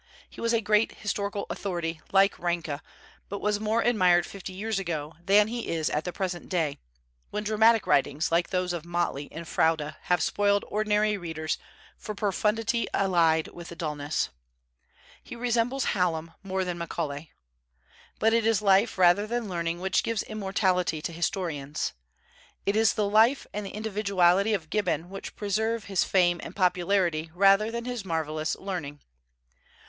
He was a great historical authority, like Ranke, but was more admired fifty years ago than he is at the present day, when dramatic writings like those of Motley and Froude have spoiled ordinary readers for profundity allied with dulness. He resembles Hallam more than Macaulay. But it is life rather than learning which gives immortality to historians. It is the life and the individuality of Gibbon which preserve his fame and popularity rather than his marvellous learning.